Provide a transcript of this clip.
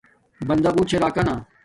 بندا بوت چھے راکانا